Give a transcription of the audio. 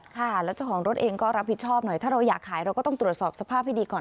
ค่ะแล้วเจ้าของรถเองก็รับผิดชอบหน่อยถ้าเราอยากขายเราก็ต้องตรวจสอบสภาพให้ดีก่อน